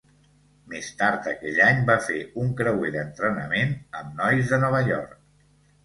Més tard aquell any, va fer un creuer d'entrenament amb nois de Nova York.